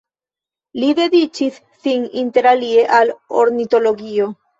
Li dediĉis sin inter alie al ornitologio.